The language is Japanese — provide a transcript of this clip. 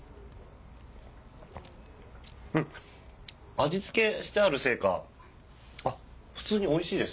味付けしてあるせいか普通においしいです。